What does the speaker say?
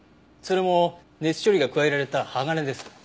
それも熱処理が加えられた鋼です。